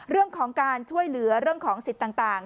เรื่องของการช่วยเหลือเรื่องของสิทธิ์ต่าง